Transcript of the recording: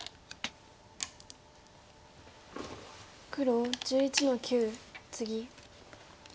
黒１１の九ツギ。